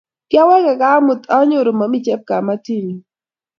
Kiawekei gaa amut anyoru momii chepkametinyu